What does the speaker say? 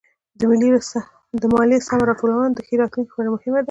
د ماليې سمه راټولونه د ښه راتلونکي لپاره مهمه ده.